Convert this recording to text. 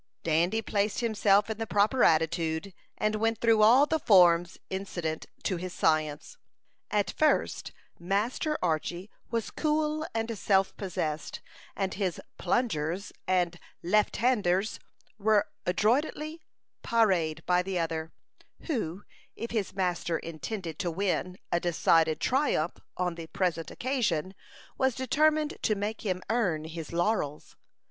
Dandy placed himself in the proper attitude, and went through all the forms incident to the science. At first Master Archy was cool and self possessed, and his "plungers" and "left handers" were adroitly parried by the other, who, if his master intended to win a decided triumph on the present occasion, was determined to make him earn his laurels.